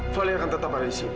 vali akan tetap ada di sini